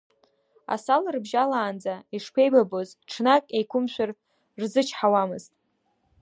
Асал рыбжьалаанӡа, ишԥеибабоз, ҽнак еиқәымшәар рзычҳауамызт.